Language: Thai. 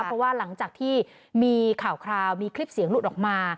เพราะว่าหลังจากที่มีข่าวมีคลิปเสียงหลุดออกมา